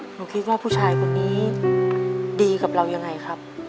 หนูคิดว่าผู้ชายคนนี้ดีกับเรายังไงครับ